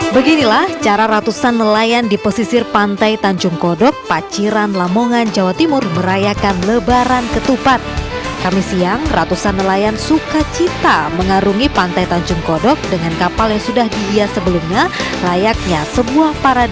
sehingga different style'nya yang penting adalah melayani posted thursdaytsd para penjajah menel tote warum dengan pertanyaannya desired